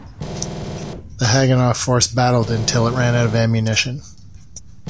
The Haganah force battled until it ran out of ammunition.